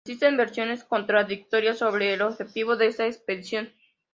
Existen versiones contradictorias sobre el objetivo de esta expedición.